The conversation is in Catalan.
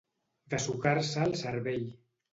Dessucar-se el cervell.